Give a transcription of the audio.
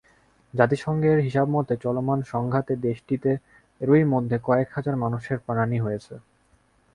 জাতিসংঘের হিসাবমতে, চলমান সংঘাতে দেশটিতে এরই মধ্যে কয়েক হাজার মানুষের প্রাণহানি হয়েছে।